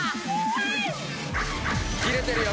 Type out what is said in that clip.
キレてるよ